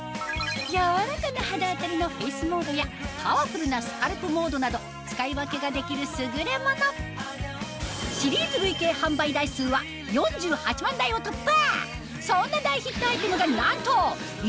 柔らかな肌当たりのフェイスモードやパワフルなスカルプモードなど使い分けができる優れものを突破！